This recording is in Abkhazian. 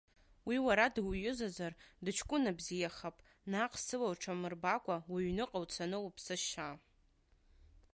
Уи уара дуҩызазар, дыҷкәына бзиахап, наҟ сыла уҽамырбакәа уҩныҟа уцаны уԥсы шьа.